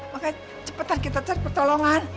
makanya cepetan kita cari pertolongan